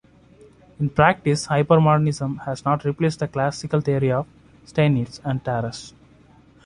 In practice, hypermodernism has not replaced the classical theory of Steinitz and Tarrasch.